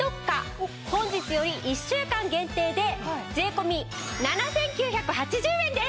本日より１週間限定で税込７９８０円です！